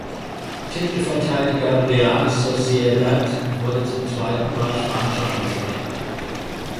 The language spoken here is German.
Titelverteidiger Real Sociedad wurde zum zweiten Mal spanischer Meister.